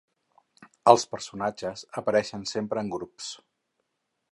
Els personatges apareixen sempre en grups.